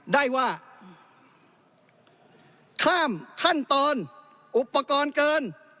ได้ว่าข้ามขั้นตอนอุปกรณ์เกิน